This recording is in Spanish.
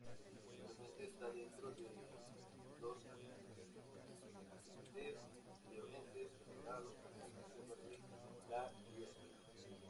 Actualmente está dentro de los Ancares Leoneses catalogados como Reserva de la Biosfera.